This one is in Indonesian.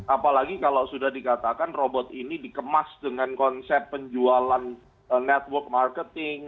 apalagi kalau sudah dikatakan robot ini dikemas dengan konsep penjualan network marketing